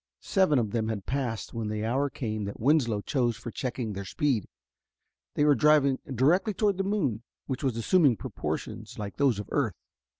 Seven of them had passed when the hour came that Winslow chose for checking their speed. They were driving directly toward the moon, which was assuming proportions like those of earth.